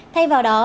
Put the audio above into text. thay vào đó